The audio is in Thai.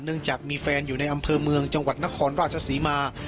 จากมีแฟนอยู่ในอำเภอเมืองจังหวัดนครราชศรีมา